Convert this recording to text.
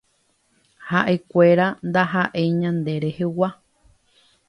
Haʼekuéra ndahaʼéi ñande rehegua.